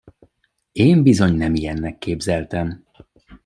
Én bizony nem ilyennek képzeltem!